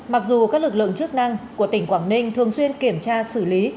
mặc dù các lực lượng chức năng của tỉnh quảng ninh thường xuyên kiểm tra xử lý